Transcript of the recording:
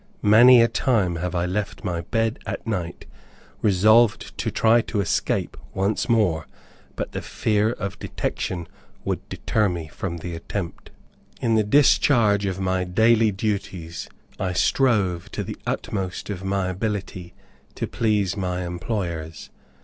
Many a time have I left my bed at night, resolved to try to escape once more, but the fear of detection would deter me from the attempt. In the discharge of my daily duties, I strove to the utmost of my ability to please my employers.